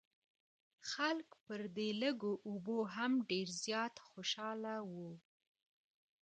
خلک پر دې لږو اوبو هم ډېر زیات خوشاله وو.